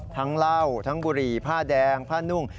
เหล้าทั้งบุหรี่ผ้าแดงผ้านุ่ง